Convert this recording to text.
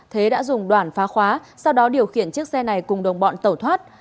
thế đã dùng đoạn phá khóa sau đó điều khiển chiếc xe này cùng đồng bọn tẩu thoát